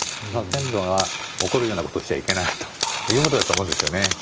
先祖が怒るようなことをしちゃいけないということだと思うんですよね。